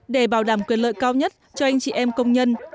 để bảo đảm quyền lợi cao nhất cho anh chị em công nhân